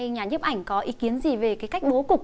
nhà nhếp ảnh có ý kiến gì về cái cách bố cục